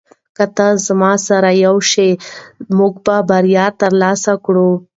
که تاسي زما سره یوځای شئ موږ به بریا ترلاسه کړو.